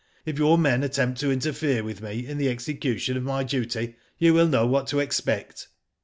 If your men attempt to interfere with me in the execution of my duty, you will know what to expect."